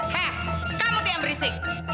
hei kamu tuh yang berisik